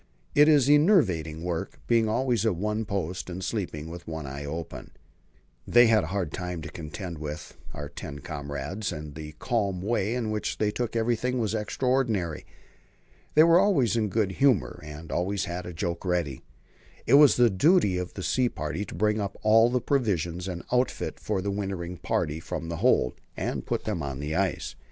It is enervating work being always at one's post, and sleeping with one eye open. They had a hard time to contend with, our ten comrades, and the calm way in which they took everything was extraordinary. They were always in a good humour, and always had a joke ready. It was the duty of the sea party to bring up all the provisions and outfit for the wintering party from the hold, and put them on the ice.